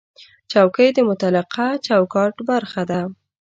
چوکۍ د متعلقه چوکاټ برخه ده.